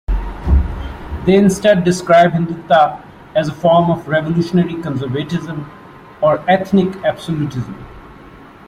They instead describe Hindutva as a form of "revolutionary conservatism" or "ethnic absolutism".